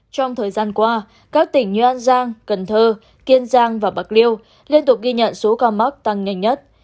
trong thời gian qua các tỉnh như an giang cần thơ kiên giang và bạc liêu liên tục ghi nhận số ca mắc tăng nhanh nhất